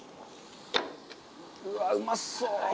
うわぁ、うまそう。